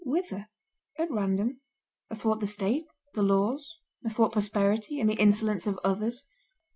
Whither? At random. Athwart the state, the laws, athwart prosperity and the insolence of others.